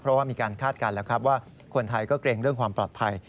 เพราะว่ามีการคาดการณ์แล้วครับว่าคนไทยก็เกรงเรื่องความปลอดภัย